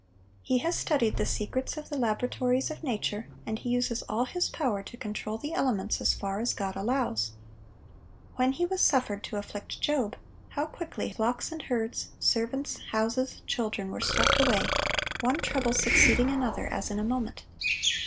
He has studied the secrets of the laboratories of nature, and he uses all his power to control the elements as far as God allows. When he was suffered to afflict Job, how quickly flocks and herds, servants, houses, children, were swept away, one trouble succeeding another as in a moment.